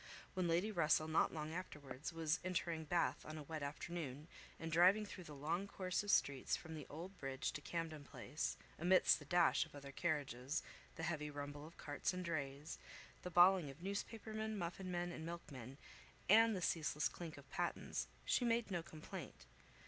When Lady Russell not long afterwards, was entering Bath on a wet afternoon, and driving through the long course of streets from the Old Bridge to Camden Place, amidst the dash of other carriages, the heavy rumble of carts and drays, the bawling of newspapermen, muffin men and milkmen, and the ceaseless clink of pattens, she made no complaint.